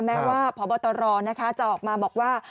แม้ว่าพบตรจะออกมาบอกว่า